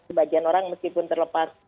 sebagian orang meskipun terlepas